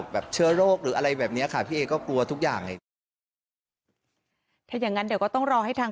แบบเชื้อโรคหรืออะไรแบบนี้ค่ะพี่เอก็กลัวทุกอย่างเลย